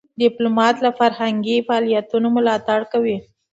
ډيپلومات له فرهنګي فعالیتونو ملاتړ کوي.